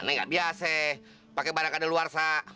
nah gak biasa pake barang ada luar